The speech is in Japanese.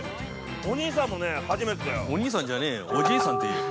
◆お兄さんもね、初めてだよ。◆お兄さんじゃねえよ、おじいさんって言えよ。